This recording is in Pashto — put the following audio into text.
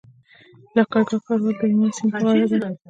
لښکرګاه ښار ولې د هلمند سیند په غاړه دی؟